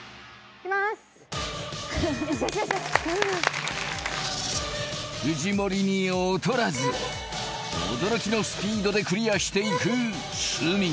よしよしよしよし藤森に劣らず驚きのスピードでクリアしていく鷲見